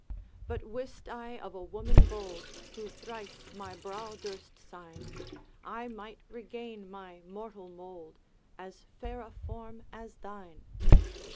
'But wist I of a woman bold, Who thrice my brow durst sign, I might regain my mortal mould, As fair a form as thine.'